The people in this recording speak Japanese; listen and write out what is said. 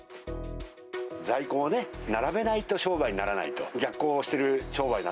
在庫を並べないと商売にならないと。